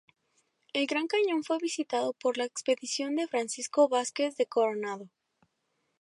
El Gran Cañón fue visitado por la expedición de Francisco Vázquez de Coronado.